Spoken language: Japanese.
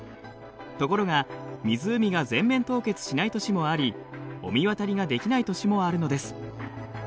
ところが湖が全面凍結しない年もあり御神渡りができない年もあるのです。